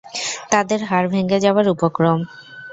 তাদের হাড় ভেঙ্গে যাবার উপক্রম।